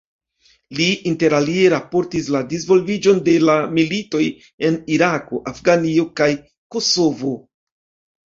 Li interalie raportis la disvolviĝon de la militoj en Irako, Afganio kaj Kosovo.